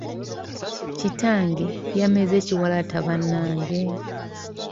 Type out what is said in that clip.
Kitange yameze ekiwalaata bannange!